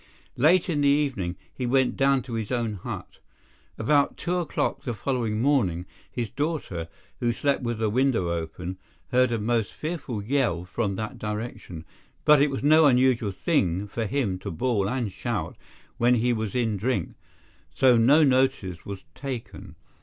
Late in the evening, he went down to his own hut. About two o'clock the following morning, his daughter, who slept with her window open, heard a most fearful yell from that direction, but it was no unusual thing for him to bawl and shout when he was in drink, so no notice was taken.